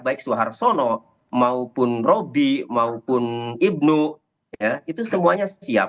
baik suharsono maupun robi maupun ibnu itu semuanya siap